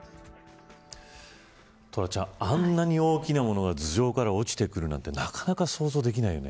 トラちゃん、あんなに大きなものが頭上から落ちてくるなんてなかなか想像できないよね。